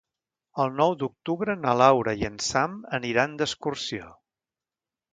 El nou d'octubre na Laura i en Sam aniran d'excursió.